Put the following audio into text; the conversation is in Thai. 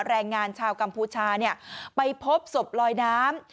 แรงงานชาวกัมพูชาไปพบศพลอยน้ำ